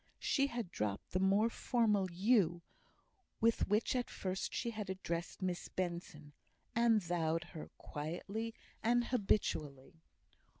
She had dropped the more formal "you," with which at first she had addressed Miss Benson, and thou'd her quietly and habitually.